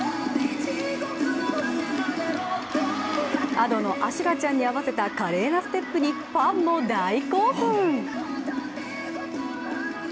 Ａｄｏの「阿修羅ちゃん」に合わせた華麗なステップにファンも大興奮。